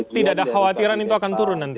tidak ada khawatiran itu akan turun nanti